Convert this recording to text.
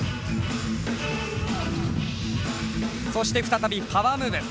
そして再びパワームーブ。